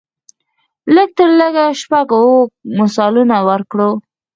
لږ تر لږه شپږ اووه مثالونه ورکړو.